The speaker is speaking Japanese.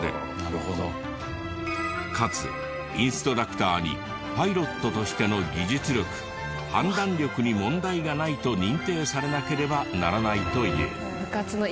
かつインストラクターにパイロットとしての技術力判断力に問題がないと認定されなければならないという。